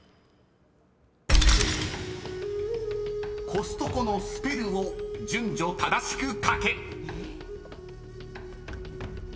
［コストコのスペルを順序正しく書け］